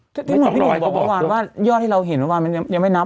ไม่ต้องรอยก็บอกว่าว่ายอดที่เราเห็นวันวานมันยังไม่นับ